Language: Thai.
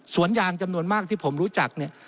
สวนยางจำนวนมากที่ผมรู้จัก